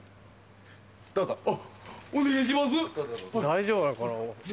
大丈夫なのかな？